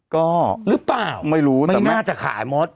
ก็หรือเปล่าไม่รู้ไม่น่าจะขายมด